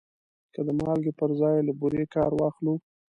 که د مالګې پر ځای له بورې کار واخلو.